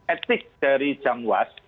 etik dari jangwas